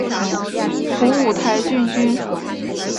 母五台郡君。